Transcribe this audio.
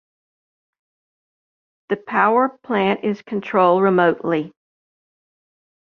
The power plant is controlled remotely.